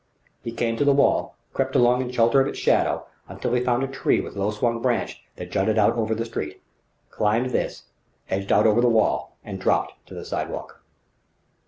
He came to the wall, crept along in shelter of its shadow until he found a tree with a low swung branch that jutted out over the street, climbed this, edged out over the wall, and dropped to the sidewalk.